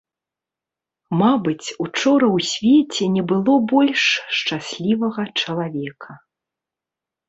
Мабыць, учора ў свеце не было больш шчаслівага чалавека.